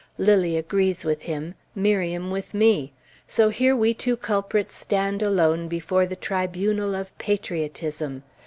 Lilly agrees with him, Miriam with me; so here we two culprits stand alone before the tribunal of "patriotism."